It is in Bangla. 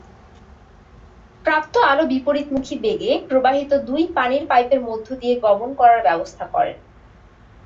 প্রাপ্ত আলো বিপরীতমুখী বেগে প্রবাহিত দুটি পানির পাইপের মধ্য দিয়ে গমন করার ব্যবস্থা করেন।